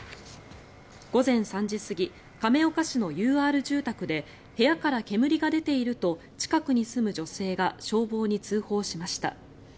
午前３時過ぎ亀岡市のＵＲ住宅で部屋から煙が出ていると近くに住む女性が消防に通報しました。